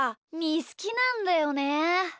ーすきなんだよね。